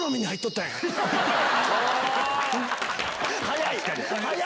早い！